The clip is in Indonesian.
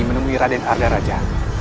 menemui raden arda raja